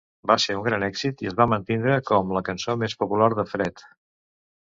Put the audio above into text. Va ser un gran èxit i es va mantindre com la cançó més popular de Fred.